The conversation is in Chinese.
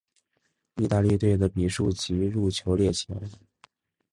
意大利队的比数及入球列前。